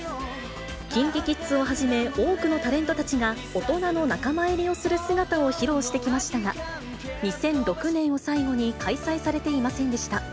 ＫｉｎＫｉＫｉｄｓをはじめ、多くのタレントたちが大人の仲間入りをする姿を披露してきましたが、２００６年を最後に開催されていませんでした。